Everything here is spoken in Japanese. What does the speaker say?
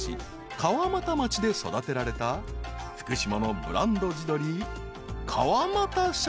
川俣町で育てられた福島のブランド地鶏］